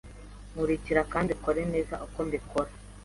Nkurikira kandi ukore neza uko mbikora.